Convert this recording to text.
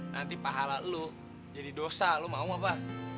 nanti pahala lu jadi dosa lo mau apa